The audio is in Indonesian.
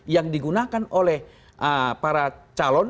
yang digunakan oleh para calon